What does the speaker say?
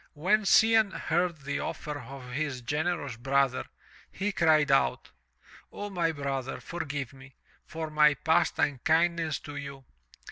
When Cianne heard the offer of his generous brother, he cried out: "O, my brother, forgive me, for my past unkindness to you.